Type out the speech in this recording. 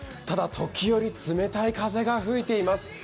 ただ、時折、冷たい風が吹いています。